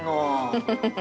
フフフフ。